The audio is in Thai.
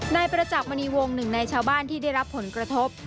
นายประจักษ์มณีวงหนึ่งในชาวบ้านที่ได้รับผลกระทบ